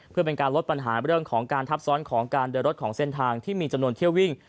เพื่อเป็นการลดปัญหาเรื่องของการทับซ้อนของการเดินรถของเส้นทางที่มีจำนวนเที่ยววิ่ง